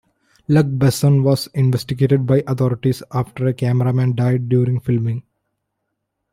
Luc Besson was investigated by authorities after a cameraman died during filming.